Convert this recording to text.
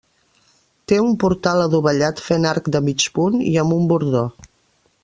Té un portal adovellat fent arc de mig punt i amb un bordó.